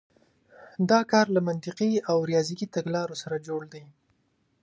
دا کار له منطقي او ریاضیکي تګلارو سره جوړ دی.